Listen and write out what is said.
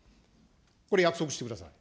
これ、約束してください。